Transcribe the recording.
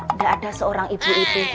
tidak ada seorang ibu itu